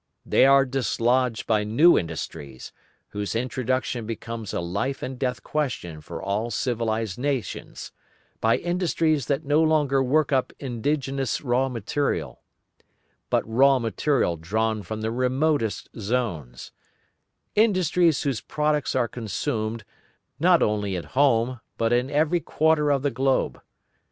They are dislodged by new industries, whose introduction becomes a life and death question for all civilised nations, by industries that no longer work up indigenous raw material, but raw material drawn from the remotest zones; industries whose products are consumed, not only at home, but in every quarter of the globe.